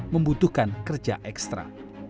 membutuhkan kerja ekstra